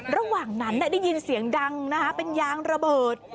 ระหว่างนั้นได้ยินเสียงดังนะคะเป็นยางระเบิด